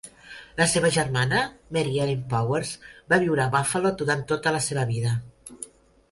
La seva germana, Mary Ellen Powers, va viure a Buffalo durant tota la seva vida.